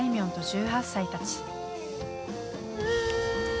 んと１８歳たち。